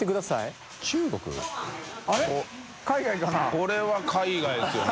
これは海外ですよね。